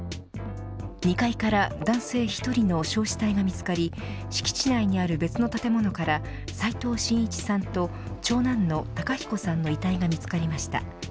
２階から男性１人の焼死体が見つかり敷地内にある別の建物から斎藤真一さんと長男の孝彦さんの遺体が見つかりました。